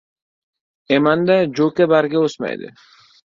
• Emanda jo‘ka bargi o‘smaydi.